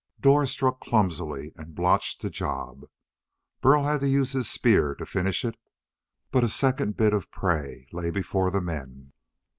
Dor struck clumsily and botched the job. Burl had to use his spear to finish it. But a second bit of prey lay before the men.